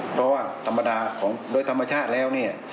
เพราะว่าธรรมดาของโดยธรรมชาติแล้วเนี่ย